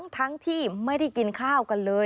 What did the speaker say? ทั้งที่ไม่ได้กินข้าวกันเลย